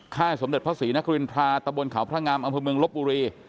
สมเด็จพระศรีนครินทราตะบนเขาพระงามอำเภอเมืองลบบุรี